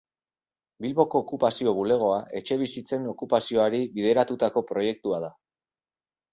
Bilboko Okupazio Bulegoa Etxebizitzen Okupazioari bideratutako proiektua da.